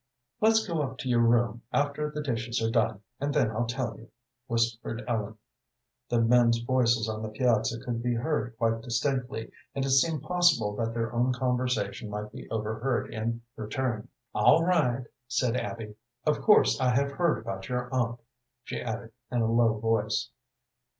"Let's go up to your room after the dishes are done, and then I'll tell you," whispered Ellen. The men's voices on the piazza could be heard quite distinctly, and it seemed possible that their own conversation might be overheard in return. "All right," said Abby. "Of course I have heard about your aunt," she added, in a low voice.